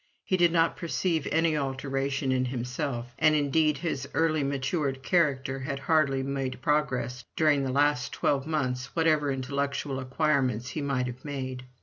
He did not perceive any alteration in himself, and indeed his early matured character had hardly made progress during the last twelve months whatever intellectual acquirements he might have made.